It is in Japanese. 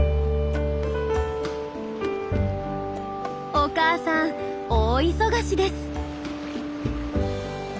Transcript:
お母さん大忙しです。